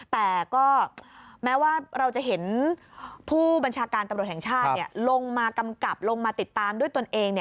แต่ก็แม้ว่าเราจะเห็นผู้บัญชาการตำรวจแห่งชาติลงมากำกับลงมาติดตามด้วยตนเอง